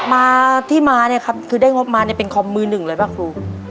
มาที่มาเนี่ยครับคือได้งบมาเนี่ยเป็นคอมมือหนึ่งเลยป่ะครู